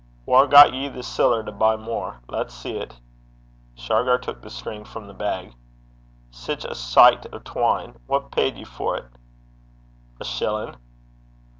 'Whaur got ye the siller to buy mair? Lat's see 't?' Shargar took the string from the bag. 'Sic a sicht o' twine! What paid ye for 't?' 'A shillin'.'